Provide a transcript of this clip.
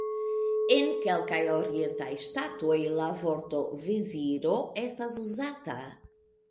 En kelkaj orientaj ŝtatoj la vorto "veziro" estas uzata.